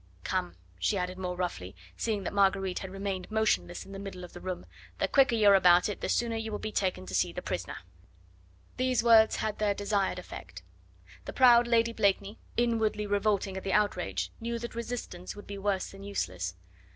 Come," she added more roughly, seeing that Marguerite had remained motionless in the middle of the room; "the quicker you are about it the sooner you will be taken to see the prisoner." These words had their desired effect. The proud Lady Blakeney, inwardly revolting at the outrage, knew that resistance would be worse than useless.